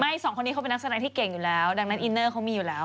สองคนนี้เขาเป็นนักแสดงที่เก่งอยู่แล้วดังนั้นอินเนอร์เขามีอยู่แล้ว